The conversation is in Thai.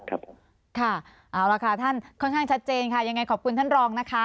เอาละค่ะท่านค่อนข้างชัดเจนค่ะยังไงขอบคุณท่านรองนะคะ